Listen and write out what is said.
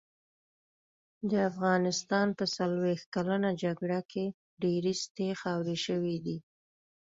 د افغانستان په څلوښت کلنه جګړه کې ډېرې سټې خاورې شوې دي.